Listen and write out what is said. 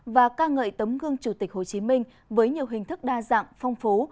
và ca ngợi tấm gương chủ tịch hồ chí minh với nhiều hình thức đa dạng phong phú